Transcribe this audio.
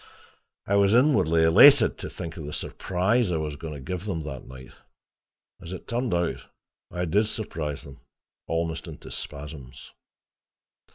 I was inwardly elated to think of the surprise I was going to give them that night; as it turned out, I DID surprise them almost into spasms.